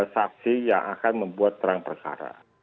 saksi yang akan membuat terang persara